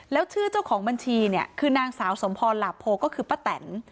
แล้วชื่อเจ้าของบัญชีเนี่ยคือนางสาวสมพรหลาโพก็คือป้าแตน